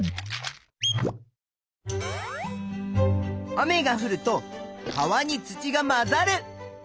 雨がふると川に土が混ざる。